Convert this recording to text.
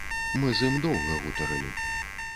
Мы з ім доўга гутарылі.